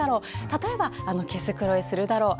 例えば毛づくろいするだろう。